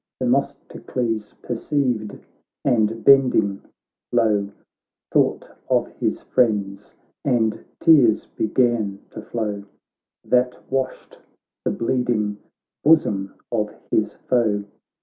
Themistocles perceived, and bending low Thought of his friends, and tears began to flow Tiiat washed the bleeding bosom of his foe.